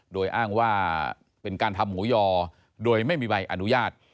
โดยอ้างว่าเป็นการทำหมูยอโดยไม่มีใบอนุญาต